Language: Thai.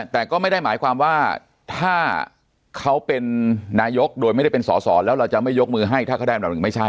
แต่ก็ไม่ได้หมายความว่าถ้าเขาเป็นนายกโดยไม่ได้เป็นสอสอแล้วเราจะไม่ยกมือให้ถ้าเขาได้อันดับหนึ่งไม่ใช่